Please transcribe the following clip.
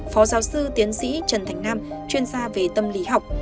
phó giáo sư tiến sĩ trần thành nam chuyên gia về tâm lý học